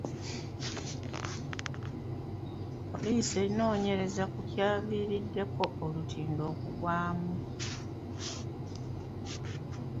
Poliisi enoonyereza ku kyaviiriddeko olutindo okugwamu?